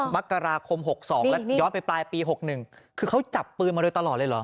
มกราคม๖๒แล้วย้อนไปปลายปี๖๑คือเขาจับปืนมาโดยตลอดเลยเหรอ